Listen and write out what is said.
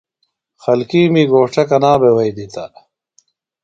خلکِیمی گھوݜٹہ کنا بھے وھئی دِتہ؟